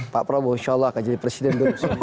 pak prabowo insya allah akan jadi presiden